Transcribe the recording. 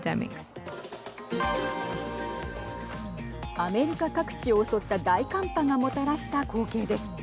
アメリカ各地を襲った大寒波がもたらした光景です。